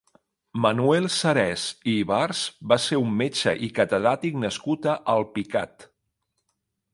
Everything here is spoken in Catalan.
Manuel Serés i Ibars va ser un metge i catedràtic nascut a Alpicat.